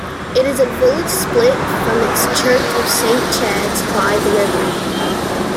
It is a village split from its church of Saint Chad's by the river.